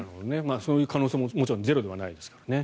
そういう可能性ももちろんゼロではないですからね。